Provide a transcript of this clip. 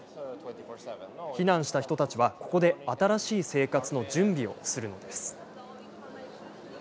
避難した人たちは、ここで新しい生活の準備をするのです。